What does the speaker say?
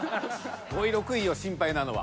５位６位よ心配なのは。